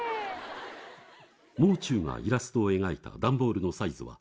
・もう中がイラストを描いた段ボールのサイズは。